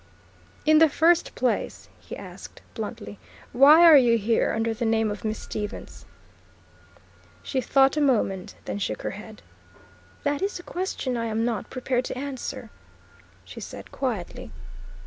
"In the first place," he asked bluntly, "why are you here under the name of Miss Stevens?" She thought a moment, then shook her head. "That is a question I am not prepared to answer," she said quietly.